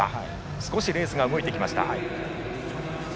少しレースが動いてきました。